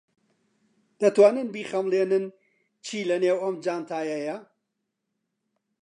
دەتوانن بیخەملێنن چی لەنێو ئەم جانتایەیە؟